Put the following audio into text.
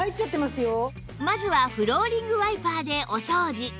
まずはフローリングワイパーでお掃除